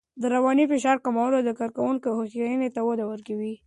د رواني فشار کمول د کارکوونکو هوساینې ته وده ورکوي.